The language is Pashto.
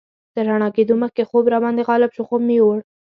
تر رڼا کېدو مخکې خوب راباندې غالب شو، خوب مې یوړ.